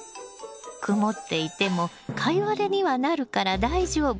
曇っていてもカイワレにはなるから大丈夫。